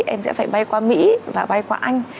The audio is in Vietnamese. em sẽ phải bay qua mỹ và bay qua anh